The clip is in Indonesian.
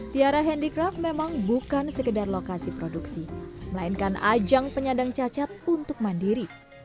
tiara handicraft memang bukan sekedar lokasi produksi melainkan ajang penyandang cacat untuk mandiri